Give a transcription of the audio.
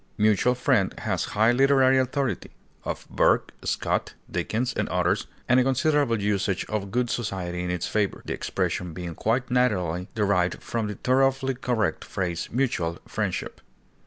"Mutual friend" has high literary authority (of Burke, Scott, Dickens, and others), and a considerable usage of good society in its favor, the expression being quite naturally derived from the thoroughly correct phrase mutual friendship.